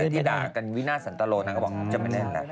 ที่ด่ากันวินาสันตะโลนะก็บอกจะไม่เล่นนะ